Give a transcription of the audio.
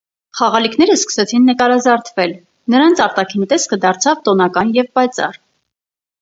Խաղալիքները սկսեցին նկարազարդվել, նրանց արտաքին տեսքը դարձավ տոնական և պայծառ։